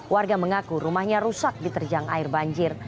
warga mengaku rumahnya rusak diterjang air banjir